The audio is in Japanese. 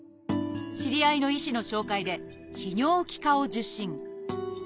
知り合いの医師の紹介で泌尿器科を受診